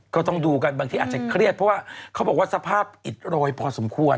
ก็ต้องดูกันบางทีอาจจะเครียดเพราะว่าเขาบอกว่าสภาพอิดโรยพอสมควร